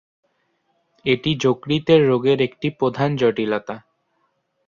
এটি যকৃতের রোগের একটি প্রধান জটিলতা।